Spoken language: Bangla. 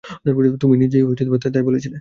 তুমি নিজে নিজেই তাই বলছিলে।